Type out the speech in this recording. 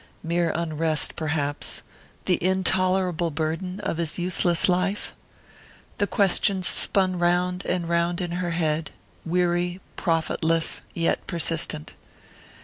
Mere unrest, perhaps the intolerable burden of his useless life? The questions spun round and round in her head, weary, profitless, yet persistent....